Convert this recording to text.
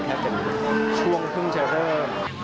แค่เป็นช่วงครึ่งเจอเริ่ม